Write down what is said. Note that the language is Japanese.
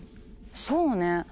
そうね。